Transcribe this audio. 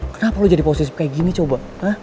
kenapa lo jadi posisi kayak gini coba